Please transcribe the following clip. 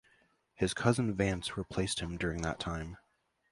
His cousin Vance replaced him during that time.